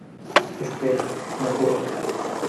estela, no puedo.